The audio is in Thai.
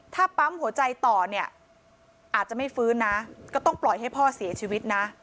ถ้าปั๊มหัวใจต่อเนี่ยอาจจะไม่ฟื้นนะก็ต้องปล่อยให้พ่อเสียชีวิตนะ